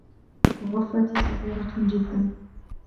غرفتي صغيرةٌ جداً.